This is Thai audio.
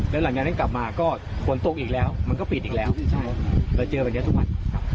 แล้วหลังจากนั้นกลับมาก็ฝนตกอีกแล้วมันก็ปิดอีกแล้วเราเจอแบบนี้ทุกวัน